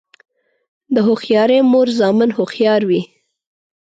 د هوښیارې مور زامن هوښیار وي.